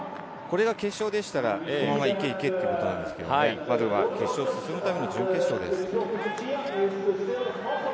これが決勝でしたら、このまま行け行けということなんですけれども、まずは決勝に進むための準決勝です。